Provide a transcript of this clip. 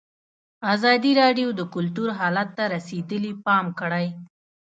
ازادي راډیو د کلتور حالت ته رسېدلي پام کړی.